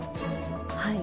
はい。